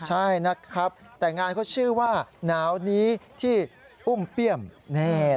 ใช่นะครับแต่งานเขาชื่อว่าหนาวนี้ที่อุ้มเปี้ยม